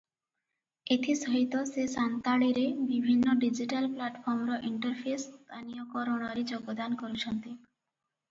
ଏଥିସହିତ ସେ ସାନ୍ତାଳୀରେ ବିଭିନ୍ନ ଡିଜିଟାଲ ପ୍ଲାଟଫର୍ମର ଇଣ୍ଟରଫେସ ସ୍ଥାନୀୟକରଣରେ ଯୋଗଦାନ କରୁଛନ୍ତି ।